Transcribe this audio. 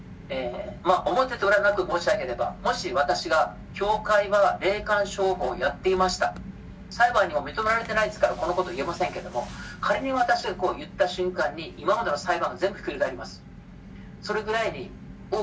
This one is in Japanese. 表と裏なく申し上げれば、もし私が、教会は霊感商法をやっていました、裁判でも認められていないですから、このことを言えませんけども、仮に私がこう言った瞬間に、今までの裁判が全部ひっくり返ります。